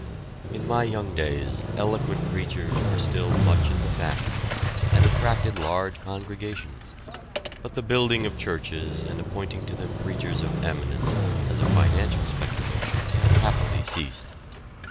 In my young days eloquent preachers were still much in the fashion, and attracted large congregations, but the building of churches and appointing to them preachers of eminence as a financial speculation had happily ceased.